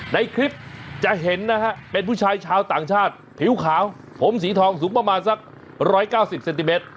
ในคลิปจะเห็นนะฮะเป็นผู้ชายชาวต่างชาติผิวขาวผมสีทองสูงประมาณสัก๑๙๐เซนติเมตร